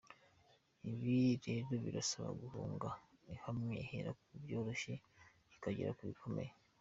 Ibi rero birasaba gahunda ihamye ihera ku byoroheje, ikagera ku bikomeye.